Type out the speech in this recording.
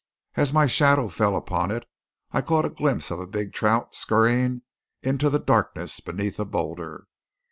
As my shadow fell upon it, I caught a glimpse of a big trout scurrying into the darkness beneath a boulder.